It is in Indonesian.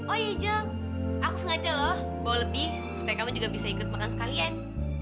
oh iya aku sengaja loh bawa lebih supaya kamu juga bisa ikut makan sekalian